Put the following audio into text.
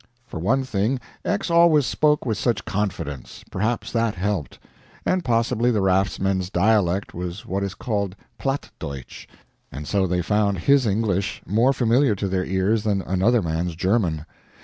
For one thing, X always spoke with such confidence perhaps that helped. And possibly the raftsmen's dialect was what is called PLATT DEUTSCH, and so they found his English more familiar to their ears than another man's German.